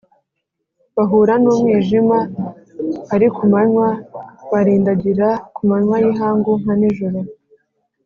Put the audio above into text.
bahura n’umwijima ari ku manywa, barindagira ku manywa y’ihangu nka nijoro